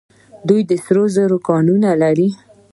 دوی د سرو زرو کانونه لري.